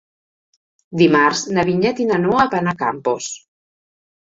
Dimarts na Vinyet i na Noa van a Campos.